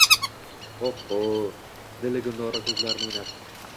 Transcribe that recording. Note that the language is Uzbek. — Oʼh-hoʼ… — dedi Gulnora koʼzlarini oʼynatib.